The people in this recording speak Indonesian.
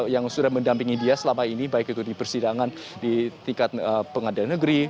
yang sudah mendampingi dia selama ini baik itu di persidangan di tingkat pengadilan negeri